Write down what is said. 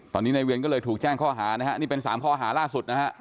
ตอนนี้นายเวรก็เลยถูกแจ้งข้อหานะฮะนี่เป็น๓ข้อหาล่าสุดนะฮะ